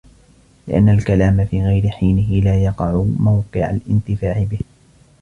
لِأَنَّ الْكَلَامَ فِي غَيْرِ حِينِهِ لَا يَقَعُ مَوْقِعَ الِانْتِفَاعِ بِهِ